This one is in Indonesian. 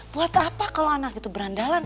buat apa kalau anak itu berandalan